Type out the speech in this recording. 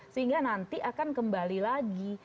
sehingga nanti akan kembali lagi